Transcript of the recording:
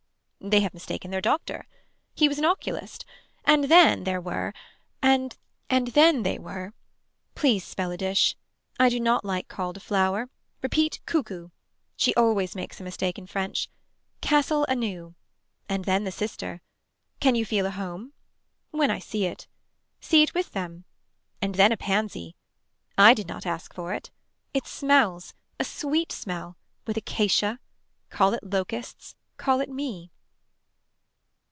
They have mistaken their doctor. He was an oculist. And then there were And then they were Please spell a dish. I do not like called a flower, Repeat cuckoo She always makes a mistake In french. Castle anew. And then the sister. Can you feel a home. When I see it. See it with them. And then a pansy. I did not ask for it. It smells. A sweet smell With Acacia Call it locusts Call it me.